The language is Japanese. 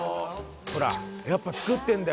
ほらやっぱ作ってるんだよ